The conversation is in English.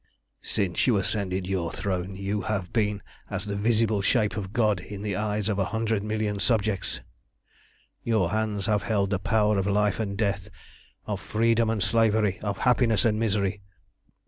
"Since you ascended your throne you have been as the visible shape of God in the eyes of a hundred million subjects. Your hands have held the power of life and death, of freedom and slavery, of happiness and misery.